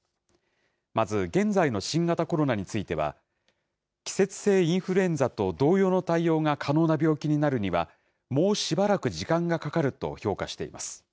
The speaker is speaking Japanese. まず現在の新型コロナについては、季節性インフルエンザと同様の対応が可能な病気になるには、もうしばらく時間がかかると評価しています。